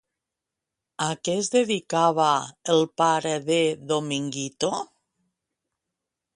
A què es dedicava el pare de Dominguito?